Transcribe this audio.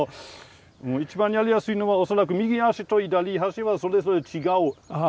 一番やりやすいのは恐らく右足と左足はそれぞれ違う列に入れるんですね。